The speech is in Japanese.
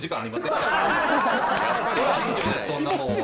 そんなもんは。